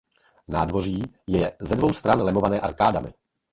Nádvoří je ze dvou stran lemované arkádami.